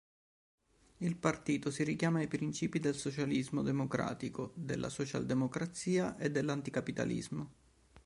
Il partito si richiama ai principi del socialismo democratico, della Socialdemocrazia e dell'anticapitalismo.